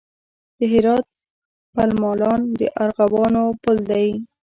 د هرات پل مالان د ارغوانو پل دی